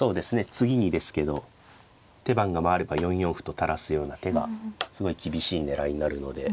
次にですけど手番が回れば４四歩と垂らすような手がすごい厳しい狙いになるので。